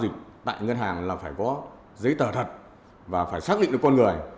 dịch tại ngân hàng là phải có giấy tờ thật và phải xác định được con người